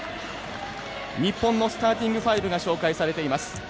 日本のスターティング５が紹介されています。